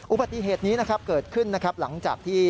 อุปฏิเหตุนี้เกิดขึ้นหลังจากที่